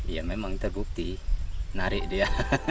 ya memang terbukti menarik dia